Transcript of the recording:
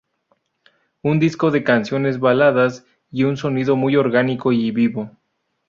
Un disco de canciones baladas y un sonido muy orgánico y vivo.